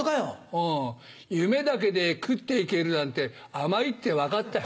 あぁ夢だけで食って行けるなんて甘いって分かったよ。